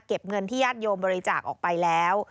เงินที่ญาติโยมบริจาคออกไปแล้ว